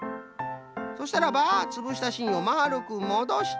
そしたらばつぶしたしんをまるくもどして。